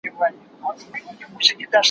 زه به سبا د لغتونو زده کړه وکړم..